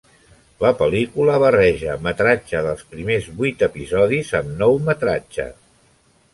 La pel·lícula barreja metratge dels primers vuit episodis amb nou metratge.